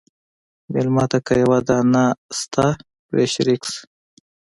مېلمه ته که یوه دانه شته، پرې شریک شه.